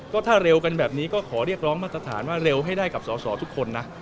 ก็ถ้าเร็วกันแบบนี้ก็ขอเรียกร้องมาตรฐานว่าเร็วให้ได้กับสอสอทุกคนนะ